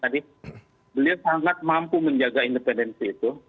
tadi beliau sangat mampu menjaga independensi itu